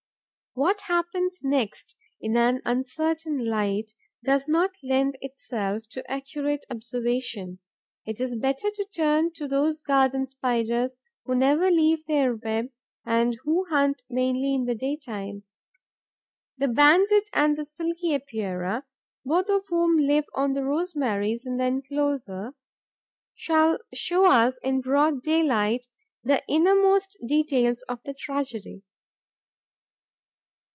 What happens next, in an uncertain light, does not lend itself to accurate observation. It is better to turn to those Garden Spiders who never leave their web and who hunt mainly in the daytime. The Banded and the Silky Epeira, both of whom live on the rosemaries in the enclosure, shall show us in broad day light the innermost details of the tragedy.